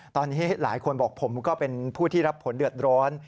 ตอนนี้หลายคนบอกผมก็เป็นผู้ที่รับผลเดือดร้อน